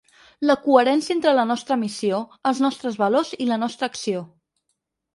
La coherència entre la nostra missió, els nostres valors i la nostra acció.